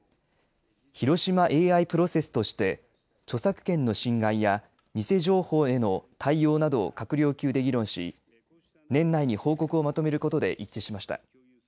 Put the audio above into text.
広島ＡＩプロセスとして著作権の侵害や偽情報への対応などを閣僚級で議論し年内に報告をまとめることで一致しました。